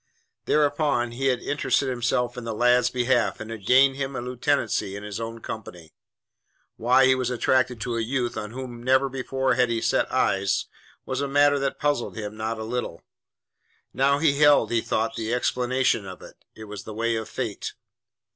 Thereupon he had interested himself in the lad's behalf and had gained him a lieutenancy in his own company. Why he was attracted to a youth on whom never before had he set eyes was a matter that puzzled him not a little. Now he held, he thought, the explanation of it. It was the way of Fate.